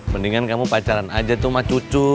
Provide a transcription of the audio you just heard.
mendingan kamu pacaran aja tuh sama cucu